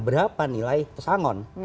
berapa nilai pesangon